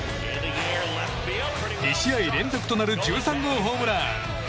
２試合連続となる１３号ホームラン。